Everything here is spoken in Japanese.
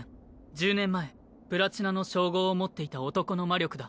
１０年前「白金」の称号を持っていた男の魔力だ。